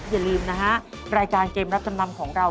อย่าลืมนะฮะรายการเกมรับจำนำของเรา